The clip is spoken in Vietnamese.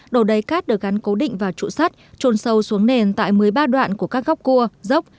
đồ đầy cát được gắn cố định vào trụ sắt trôn sâu xuống nền tại một mươi ba đoạn của các gốc cua dốc